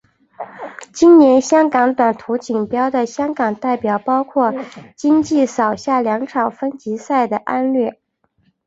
今年香港短途锦标的香港代表包括今季扫下两场分级赛的安畋。